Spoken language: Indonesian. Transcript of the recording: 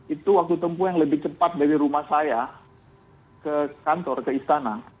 itu waktu tempuh yang lebih cepat dari rumah saya ke kantor ke istana